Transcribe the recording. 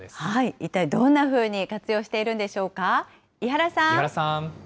一体どんなふうに活用しているんでしょうか。